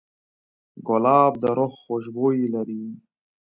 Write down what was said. ګلاب د روح خوشبو لري.